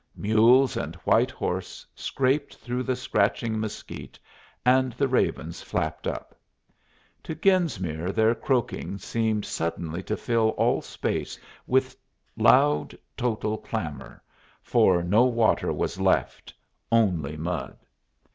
Mules and white horse scraped through the scratching mesquite, and the ravens flapped up. To Genesmere their croaking seemed suddenly to fill all space with loud total clamor, for no water was left, only mud.